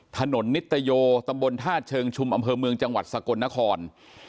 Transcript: ถนนนิตโยตำบลท่าเชิงชุมอำเภอเมืองจังหวัดสกลนคร